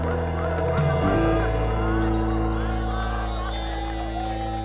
rating being hp sudah empat puluh kenyataan p corne joining